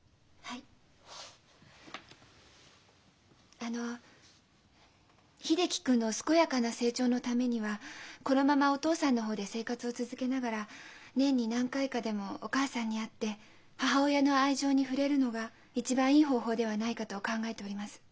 あの秀樹君の健やかな成長のためにはこのままお父さんの方で生活を続けながら年に何回かでもお母さんに会って母親の愛情に触れるのが一番いい方法ではないかと考えております。